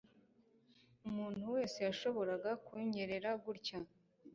umuntu wese yashoboraga kunyerera gutya